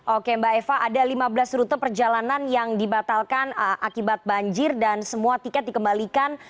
oke mbak eva ada lima belas rute perjalanan yang dibatalkan akibat banjir dan semua tiket dikembalikan